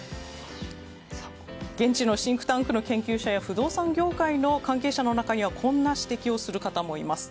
現地のシンクタンクの研究者や不動産業界の関係者の中にはこんな指摘をする方もいます。